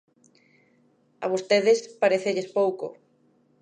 A vostedes parécelles pouco.